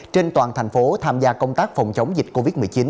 trên toàn thành phố tham gia công tác phòng chống dịch covid một mươi chín